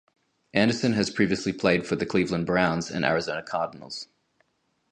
Anderson has previously played for the Cleveland Browns and Arizona Cardinals.